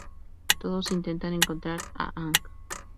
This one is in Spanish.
Todos intentan encontrar a Aang.